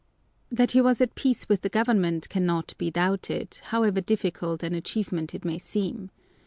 That he was at peace with the government cannot be doubted, however difficult an achievement it may seem.